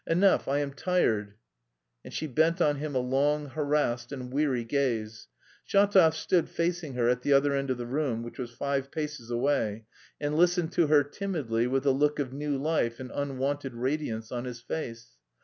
Enough, I am tired." And she bent on him a long, harassed and weary gaze. Shatov stood facing her at the other end of the room, which was five paces away, and listened to her timidly with a look of new life and unwonted radiance on his face.